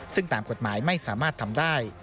ซึ่งตามกฎหมายไม่สามารถทำได้